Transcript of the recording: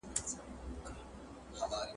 زه بايد سبزیجات وچوم